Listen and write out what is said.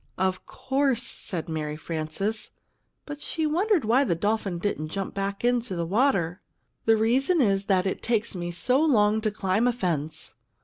"Of course," said Mary Frances; but she wondered why the dolphin didn't jump back into the water. "The reason is that it takes me so long to climb a fence!"